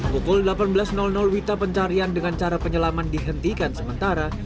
pukul delapan belas wita pencarian dengan cara penyelaman dihentikan sementara